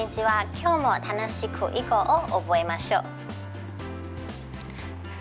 今日も楽しく囲碁を覚えましょう。